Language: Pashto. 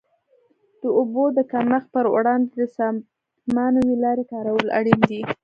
د اوبو د کمښت پر وړاندې د سپما نوې لارې کارول اړین دي.